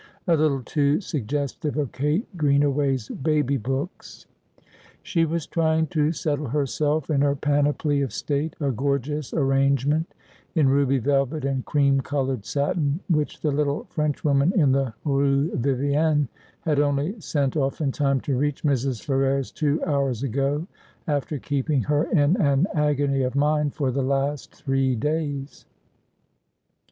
' A little too suggestive of Kate Green away's Baby Books.' She was trying to settle herself in her panoply of state, a gorgeous arrangement in ruby velvet and cream coloured satin, which the little Frenchwoman in the Rue Vivienne had only sent ofiE in time to reach Mrs. Ferrers two hours ago, after keeping her in an agony of mind for the last three days.